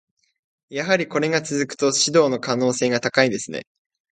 やはりこれが続くと、指導の可能性が高いですね。